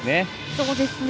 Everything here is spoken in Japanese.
そうですね。